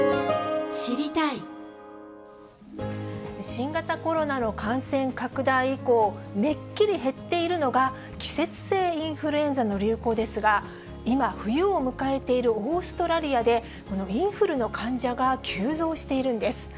新型コロナの感染拡大以降、めっきり減っているのが、季節性インフルエンザの流行ですが、今、冬を迎えているオーストラリアで、このインフルの患者が急増しているんです。